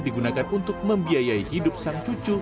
digunakan untuk membiayai hidup sang cucu